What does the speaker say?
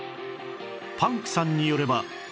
パンクさんによれば